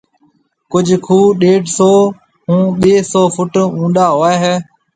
ڪجھ کوھ ڏيڍ سئو کان ٻَي سئو فٽ اونڏا ھوئيَ ھيََََ